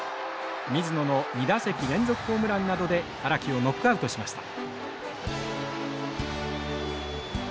水野の２打席連続ホームランなどで荒木をノックアウトしました。